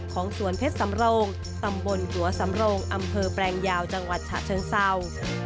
ของสวนเพชรสำโรงตำบลหัวสำโรงอำเภอแปลงยาวจังหวัดฉะเชิงเศร้า